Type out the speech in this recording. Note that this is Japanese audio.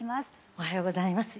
おはようございます。